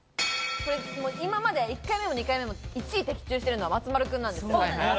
今まで１回目も２回目も１位的中してるのは松丸君なんですよ。